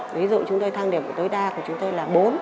ví dụ chúng tôi thang điểm tối đa của chúng tôi là bốn